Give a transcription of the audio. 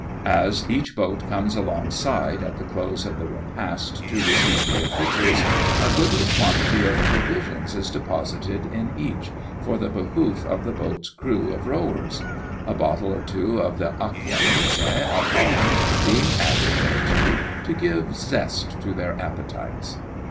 As each boat comes alongside at the close of the repast to receive the officials, a goodly quantity of provisions is deposited in each, for the behoof of the boat's crew of rowers ; a bottle or two of the aq%i,gi vitss of Holland being added thereto, to give zest to their appetites.